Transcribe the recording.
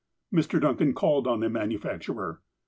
Mr. Duncan called on the manufacturer.